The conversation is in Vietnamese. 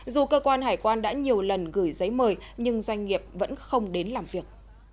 dù cơ quan hải quan đã nhiều lần gửi giấy mời nhưng doanh nghiệp vẫn không đến làm việc